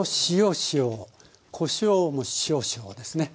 こしょうも少々ですね。